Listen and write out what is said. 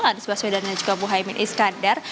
anies baswedan dan juga muhaymin iskandar